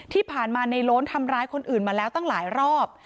ที่ผ่านมาในโล้นทำร้ายคนอื่นมาแล้วตั้งหลายรอบ